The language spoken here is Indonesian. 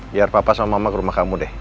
biar papa sama mama ke rumah kamu deh